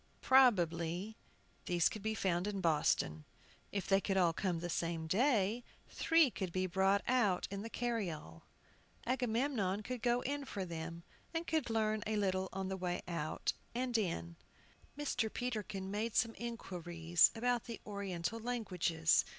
Probably these could be found in Boston. If they could all come the same day, three could be brought out in the carryall. Agamemnon could go in for them, and could learn a little on the way out and in. Mr. Peterkin made some inquiries about the Oriental languages.